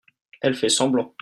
elle fait semblant.